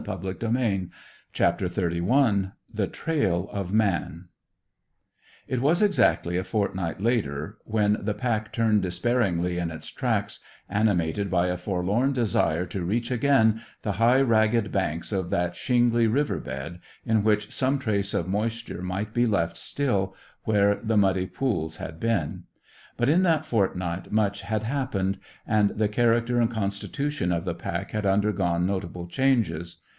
CHAPTER XXXI THE TRAIL OF MAN It was exactly a fortnight later when the pack turned despairingly in its tracks, animated by a forlorn desire to reach again the high ragged banks of that shingly river bed, in which some trace of moisture might be left still, where the muddy pools had been. But in that fortnight much had happened, and the character and constitution of the pack had undergone notable changes.